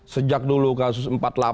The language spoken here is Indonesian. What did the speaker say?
sejak dulu kasus empat puluh delapan